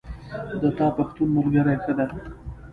د تا پښتون ملګری ښه ده